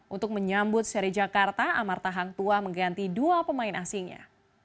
untuk menyambut seri jakarta amarta hang tua mengganti dua pemain asingnya